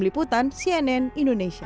liputan cnn indonesia